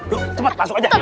ayo cepet masuk aja